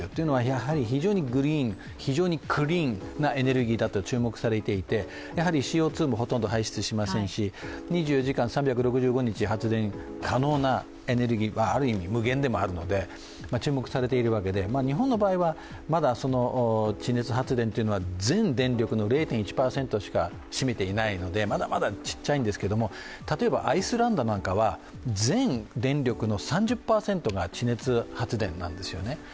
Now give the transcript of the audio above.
やはり非常にグリーン、クリーンなエネルギーだと注目されていて、ＣＯ２もほとんど排出しませんし、２４時間３６５日、発電可能なエネルギーはある意味、無限でもあるので、注目されているわけで、日本の場合は、まだ地熱発電は全電力の０．１％しか占めていないので、まだまだちっちゃいんですけど、例えばアイスランドなんかは全電力の３０％が地熱発電なんですよね。